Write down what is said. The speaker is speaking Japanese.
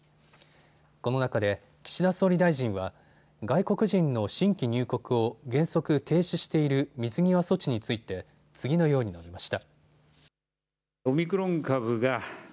この中で岸田総理大臣は外国人の新規入国を原則停止している水際措置について次のように述べました。